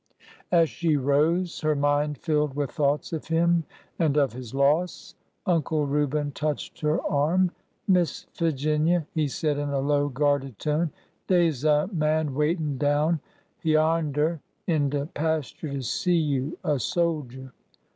As she rose, her mind filled with thoughts of him and of his loss. Uncle Reuben touched her arm. '' Miss Figinia," he said in a low, guarded tone, '' dey 's a man waitin' down hyamder in de pasture to see you — a soldier."